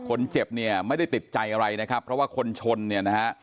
คนเจ็บเนี่ยไม่ได้ติดใจอะไรนะครับเพราะว่าคนชนเนี่ยนะฮะ